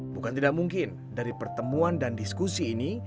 bukan tidak mungkin dari pertemuan dan diskusi ini